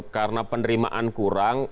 karena penerimaan kurang